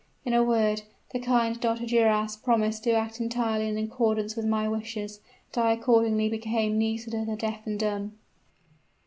In a word, the kind Dr. Duras promised to act entirely in accordance with my wishes; and I accordingly became Nisida the deaf and dumb!"